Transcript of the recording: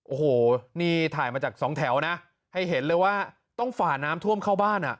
โอ้โหนี่ถ่ายมาจากสองแถวนะให้เห็นเลยว่าต้องฝ่าน้ำท่วมเข้าบ้านอ่ะ